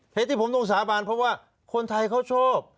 ที่ผมต้องสาบานเพราะว่าคนไทยเขาชอบ